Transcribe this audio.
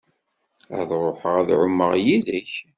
Ad ruḥeɣ ad ɛummeɣ yid-k.